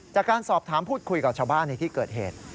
จากการสอบถามพูดคุยกับชาวบ้านในที่เกิดเหตุ